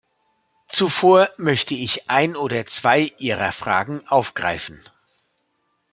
Zuvor möchte ich ein oder zwei Ihrer Fragen aufgreifen.